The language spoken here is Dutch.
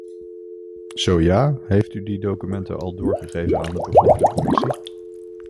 Zo ja, heeft u die documenten al doorgegeven aan de bevoegde commissie?